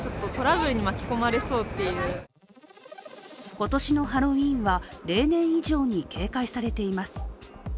今年のハロウィーンは例年以上に警戒されています。